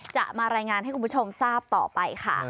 จะมารายงานให้คุณผู้ชมทราบต่อไปค่ะ